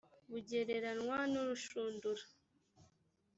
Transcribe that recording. bugereranywa n urushundura